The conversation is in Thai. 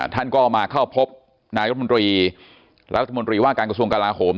ท่านก็มาเข้าพบนายรัฐมนตรีรัฐมนตรีว่าการกระทรวงกลาโหม